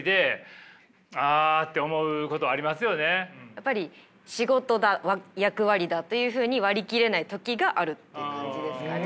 やっぱり仕事だ役割だというふうに割り切れない時があるっていう感じですかね。